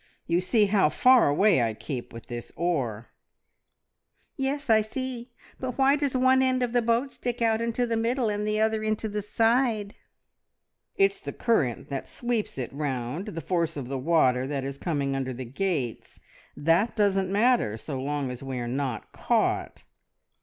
You see how far I keep away with this oar." "Yes, I see. But why does one end of the boat stick out into the middle, and the other into the side?" "It's the current that sweeps it round, the force of the water that is coming in under the gates. That doesn't matter so long as we are not caught."